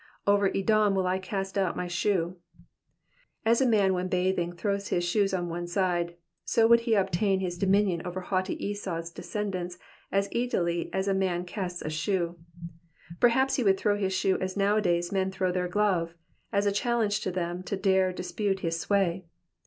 ^^Over Edom will I cast out my shoe,'*^ As a man when bathing throws his shoes on one side, so would he obtain his dominion over haughty Esau's descendants as easily as a man casts a shoe. Perhaps he would throw his shoe as nowadays men throw their glove, as a challenge to them to dare dispute his sway.